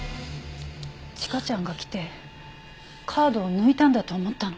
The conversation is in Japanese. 千佳ちゃんが来てカードを抜いたんだと思ったの。